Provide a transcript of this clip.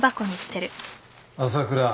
朝倉。